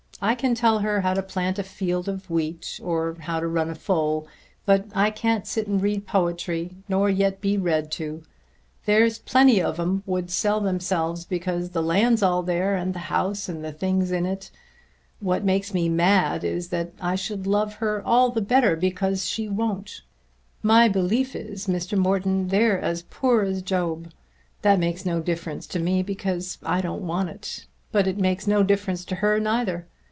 I can tell her how to plant a field of wheat or how to run a foal; but I can't sit and read poetry, nor yet be read to. There's plenty of 'em would sell themselves because the land's all there, and the house, and the things in it. What makes me mad is that I should love her all the better because she won't. My belief is, Mr. Morton, they're as poor as Job. That makes no difference to me because I don't want it; but it makes no difference to her neither!